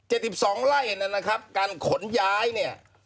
๗๒ไร่เนี่ยนะครับการขนย้ายเนี่ย